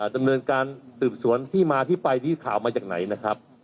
ดำเนินการสืบสวนที่มาที่ไปที่ข่าวมาจากไหนนะครับ